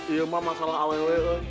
iya masalah awal